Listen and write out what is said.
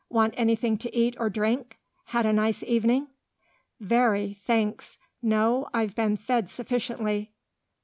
Want anything to eat or drink? Had a nice evening?" "Very, thanks. No, I've been fed sufficiently."